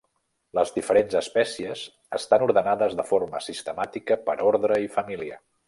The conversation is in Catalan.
Les diferents espècies estan ordenades de forma sistemàtica per ordre i família.